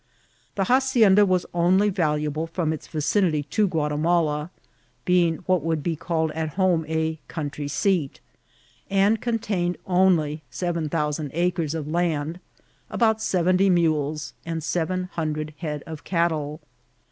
The hacienda was only valuable from its vicinity to Ghiatimala, being what would be called at home a country seat ; and contained only seven thousand acres of land, about seventy mules, and seven hundred head of cattle.